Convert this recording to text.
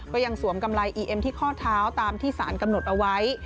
สวมกำไรอีเอ็มที่ข้อเท้าตามที่สารกำหนดเอาไว้